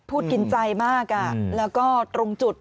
พูดกินใจมากแล้วก็ตรงจุด